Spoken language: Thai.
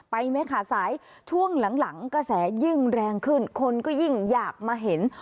ไปไหมคะสายช่วงหลังหลังกระแสยื่นแรงขึ้นคนก็ยิ่งอยากมาเห็น